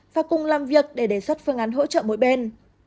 và cùng làm việc để đề xuất phương án hỗ trợ mỗi bên